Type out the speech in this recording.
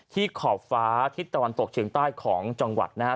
ขอบฟ้าทิศตะวันตกเฉียงใต้ของจังหวัดนะครับ